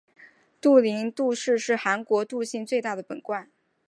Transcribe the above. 杜陵杜氏是韩国杜姓最大的本贯。